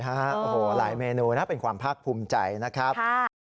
ใช่ครับหลายเมนูนะเป็นความพรรคภูมิใจนะครับ